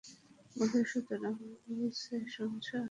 মধুসূদন আবার বললে, শুনছ?